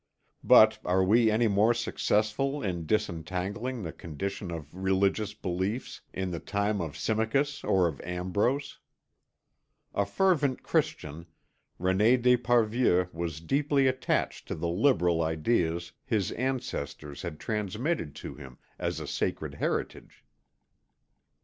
But are we any more successful in disentangling the condition of religious beliefs in the time of Symmachus or of Ambrose? A fervent Christian, René d'Esparvieu was deeply attached to the liberal ideas his ancestors had transmitted to him as a sacred heritage.